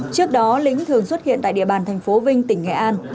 trước đó lính thường xuất hiện tại địa bàn tp vinh tỉnh nghệ an